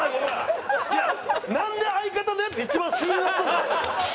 いやなんで相方のやつが一番辛辣なん？